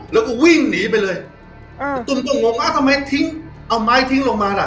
แล้วก็วิ่งหนีไปเลยอ่าตุ้มก็งงอ้าวทำไมทิ้งเอาไม้ทิ้งลงมาล่ะ